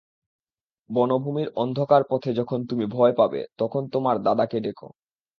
বনভূমির অন্ধকার পথে যখন তুমি ভয় পাবে, তখন তোমার দাদাকে ডেক।